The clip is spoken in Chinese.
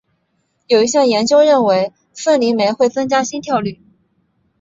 有一项研究也认为凤梨酶会增加心跳率。